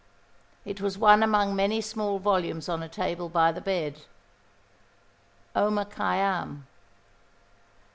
It was one among many small volumes on a table by the bed Omar Kháyyam.